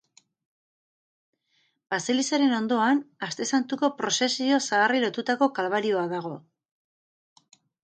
Baselizaren ondoan, Aste Santuko prozesio zaharrei lotutako kalbarioa dago.